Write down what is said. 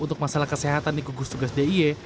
untuk masalah kesehatan di gugus tugas d i e